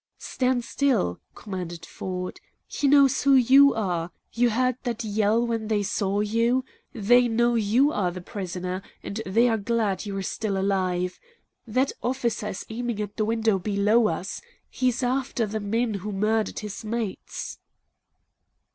"Standstill!" commanded Ford. "He knows who YOU are! You heard that yell when they saw you? They know you are the prisoner, and they are glad you're still alive. That officer is aiming at the window BELOW us. He's after the men who murdered his mates."